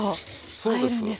そうです。